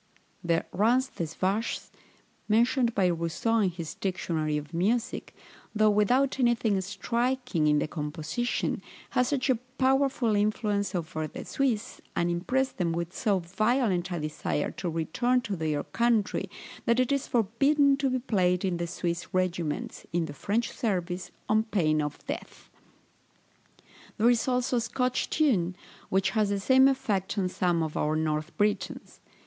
THE RANZ DES VACHES, mentioned by Rousseau in his Dictionary of Music, though without anything striking in the composition, has such a powerful influence over the Swiss, and impresses them with so violent a desire to return to their own country, that it is forbidden to be played in the Swiss regiments, in the French service, on pain of death. There is also a Scotch tune, which has the same effect on some of our North Britons.